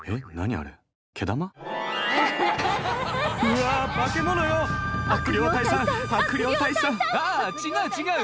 あ違う違う。